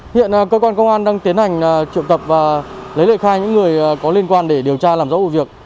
hiện cơ quan công an đang tiến hành triệu tập và lấy lời khai những người có liên quan để điều tra làm rõ vụ việc